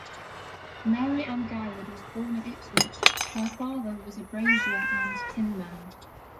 Mary Ann Goward was born at Ipswich, her father was a brazier and tinman.